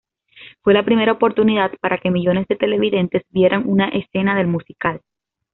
Fue la primera oportunidad para que millones de televidentes vieran una escena del musical.